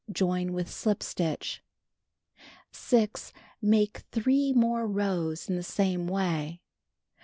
Join with slip stitch. 6. Make 3 more rows in the same way.